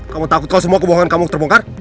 kamu takut kalau semua kebohongan kamu terbongkar